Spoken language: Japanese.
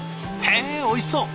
へえおいしそう！